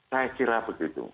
saya kira begitu